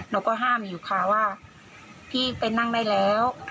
หนูก็ห้ามอยู่ค่ะว่าพี่ไปนั่งได้แล้ว